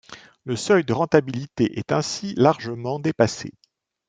Le seuil de rentabilité est ainsi largement dépassé.